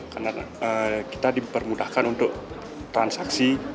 karena kita dipermudahkan untuk transaksi